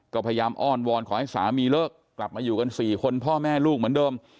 ก็พยายามอ้อนวอนขอให้สามีเลิกกลับมาอยู่กัน๔คนพ่อแม่ลูกเหมือนเดิม